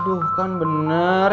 aduh kan bener